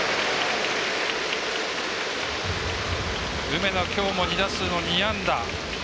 梅野、きょうも２打数の２安打。